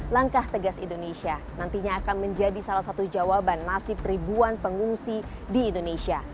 langkah tegas indonesia nantinya akan menjadi salah satu jawaban nasib ribuan pengungsi di indonesia